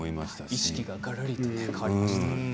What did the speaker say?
意識がかなり変わりました。